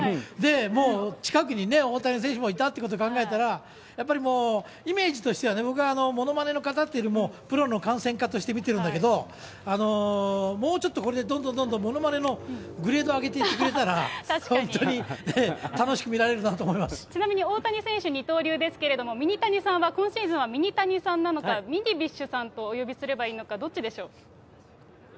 もう、近くにね、大谷選手もいたっていうことを考えたら、やっぱりもうイメージとしてはね、僕はものまねの方っていうよりも、プロの観戦家として見てるんだけど、もうちょっとこれでどんどんどんどんものまねのグレードを上げていってくれたら、本当に楽しちなみに、大谷選手、二刀流ですけれども、ミニタニさんは今シーズンはミニタニさんなのか、ミニビッシュさんとお呼びすればいいのか、どっちでしょう？